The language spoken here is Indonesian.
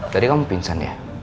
tadi kamu pingsan ya